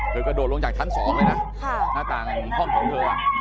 กระโดดลงจากชั้น๒เลยนะหน้าต่างของห้องของเธอ